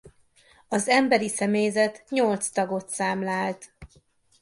Az emberi személyzet nyolc tagot számlált.